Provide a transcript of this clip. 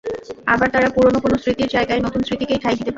আবার তারা পুরোনো কোনো স্মৃতির জায়গায় নতুন স্মৃতিকে ঠাঁই দিতে পারে।